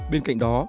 bên cạnh đó